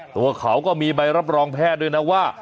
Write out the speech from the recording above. ตัวเขาก็มีใบรับรองแพทย์ด้วยนะว่า